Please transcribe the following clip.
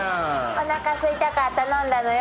おなかすいたから頼んだのよ。